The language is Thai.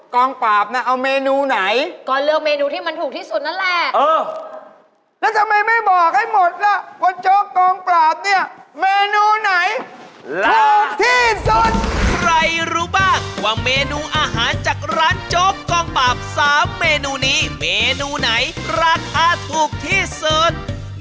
ใครรู้บ้างว่าเมนูอาหารจากร้านโจ๊กกองปับ๓เมนูนี้เมนูไหนราคาถูกที่สุด